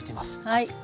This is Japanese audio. はい。